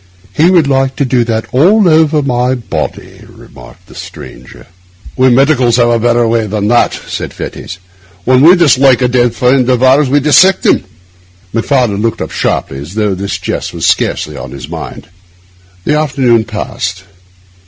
He would like to do that all over my body,' remarked the stranger. 'We medicals have a better way than that,' said Fettes. 'When we dislike a dead friend of ours, we dissect him.' Macfarlane looked up sharply, as though this jest were scarcely to his mind. The afternoon passed.